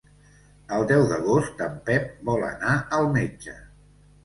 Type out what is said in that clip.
El deu d'agost en Pep vol anar al metge.